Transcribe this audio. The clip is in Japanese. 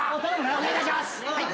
お願いします。